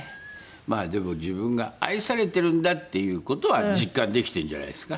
でも自分が愛されてるんだっていう事は実感できてるんじゃないですか。